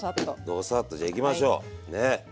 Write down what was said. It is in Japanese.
ドサッとじゃあいきましょうね。